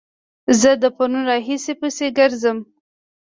زه د پرون راهيسې پسې ګرځم